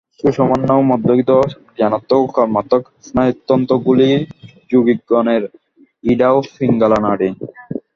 সুষুম্না-মধ্যস্থিত জ্ঞানাত্মক ও কর্মাত্মক স্নায়ুতন্তুগুলিই যোগিগণের ইড়া ও পিঙ্গলা নাড়ী।